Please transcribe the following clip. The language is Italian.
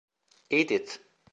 Eat It